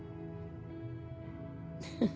フフフ。